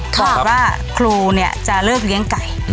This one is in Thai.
บอกว่าครูเนี่ยจะเลิกเลี้ยงไก่